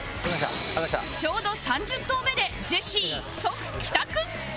ちょうど３０投目でジェシー即帰宅